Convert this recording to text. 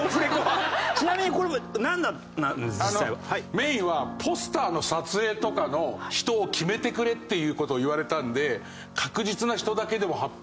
メインはポスターの撮影とかの人を決めてくれっていう事を言われたんで確実な人だけでも発表する。